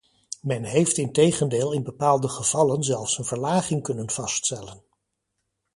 Men heeft integendeel in bepaalde gevallen zelfs een verlaging kunnen vaststellen.